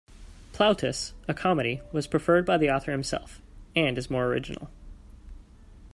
"Plautus", a comedy, was preferred by the author himself, and is more original.